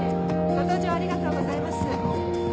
ご搭乗ありがとうございます。